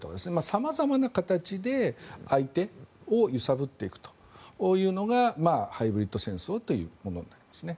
様々な形で相手を揺さぶっていくというのがハイブリッド戦争というものですね。